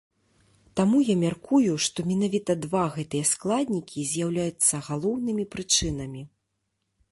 Таму я мяркую, што менавіта два гэтыя складнікі з'яўляюцца галоўнымі прычынамі.